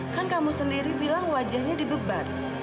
kan kamu sendiri bilang wajahnya dibeban